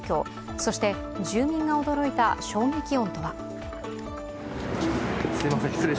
そして、住民が驚いた衝撃音とは。